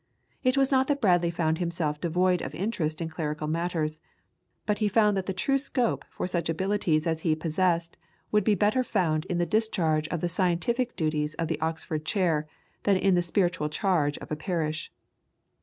It was not that Bradley found himself devoid of interest in clerical matters, but he felt that the true scope for such abilities as he possessed would be better found in the discharge of the scientific duties of the Oxford chair than in the spiritual charge of a parish.